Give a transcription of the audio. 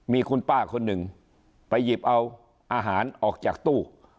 มีคุณป้าคนหนึ่งไปหยิบเอาอาหารออกจากตู้